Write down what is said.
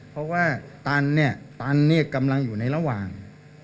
เพราะว่าตันเนี่ยกำลังอยู่ในระหว่าง